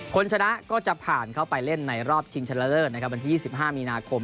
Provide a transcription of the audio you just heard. ชนะก็จะผ่านเข้าไปเล่นในรอบชิงชนะเลิศนะครับวันที่๒๕มีนาคม